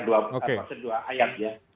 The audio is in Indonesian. dua ayat ya